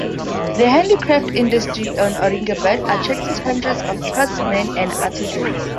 The handicraft industry in Aurangabad attracted hundreds of craftsman and artisans.